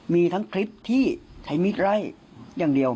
มีทั้งคลิปที่ใช้มีดไล่อย่างเดียว